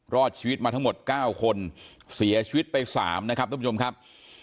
รอดชีวิตมาทั้งหมด๙คนเสียชีวิตไป๓นะครับทุกผู้ชมครับ